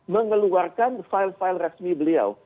mengeluarkan file file resmi beliau